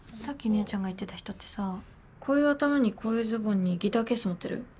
さっき姉ちゃんが言ってた人ってさこういう頭にこういうズボンにギターケース持ってる？